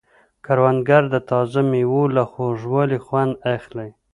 کروندګر د تازه مېوو له خوږوالي خوند اخلي